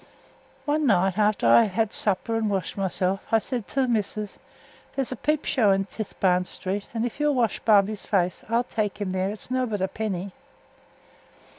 One night after I had had supper and washed myself, I said to th' missus, 'There's a peep show i' Tithebarn Street, and if you'll wash Bobby's face I'll tek him there; its nobbut a penny.'